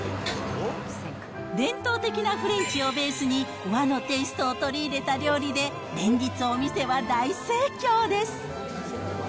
伝統的なフレンチをベースに和のテーストを取り入れた料理で連日お店は大盛況です。